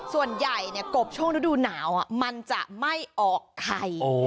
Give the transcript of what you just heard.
ส่วนใหญ่เนี่ยกบช่วงศูนย์ดูหนาวมันจะไม่ออกไข่